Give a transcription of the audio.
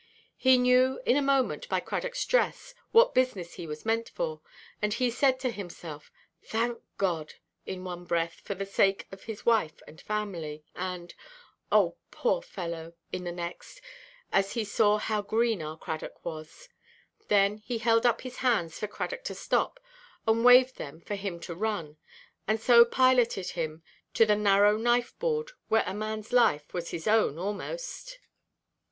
He knew, in a moment, by Cradockʼs dress, what business he was meant for; and he said to himself, "Thank God!" in one breath, for the sake of his wife and family; and "Oh, poor fellow!" in the next, as he saw how green our Cradock was. Then he held up his hands for Cradock to stop and waved them for him to run; and so piloted him to the narrow knife–board, "where a manʼs life was his own aʼmost."